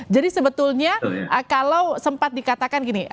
jadi sebetulnya kalau sempat dikatakan gini